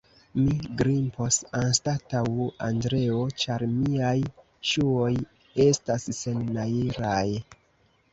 mi grimpos anstataŭ Andreo, ĉar miaj ŝuoj estas sennajlaj.